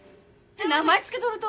名前つけとると？